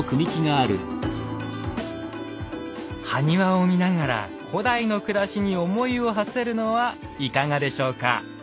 埴輪を見ながら古代の暮らしに思いをはせるのはいかがでしょうか？